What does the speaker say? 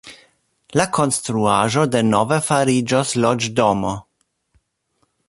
La konstruaĵo denove fariĝos loĝdomo.